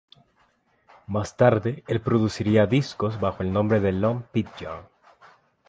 Más tarde el produciría discos bajo el nombre de Lone Pidgeon.